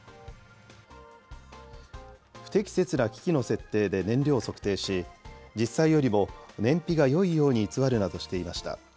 不適切な機器の設定で燃料を測定し、実際よりも燃費がよいように偽るなどしていました。